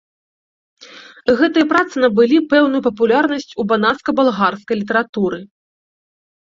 Гэтыя працы набылі пэўную папулярнасць у банацка-балгарскай літаратуры.